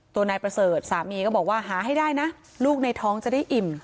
ตัวนายประเสริฐสามีก็บอกว่าหาให้ได้นะลูกในท้องจะได้อิ่ม